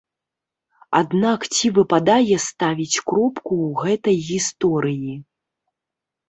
Аднак ці выпадае ставіць кропку ў гэтай гісторыі?